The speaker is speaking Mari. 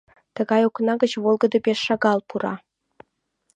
Тыгай окна гыч волгыдо пеш шагал пура.